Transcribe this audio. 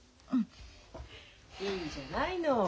いいんじゃないの。